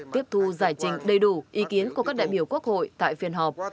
tiếp thu giải trình đầy đủ ý kiến của các đại biểu quốc hội tại phiên họp